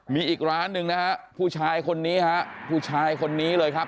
มีอีกร้านหนึ่งนะฮะผู้ชายคนนี้ฮะผู้ชายคนนี้เลยครับ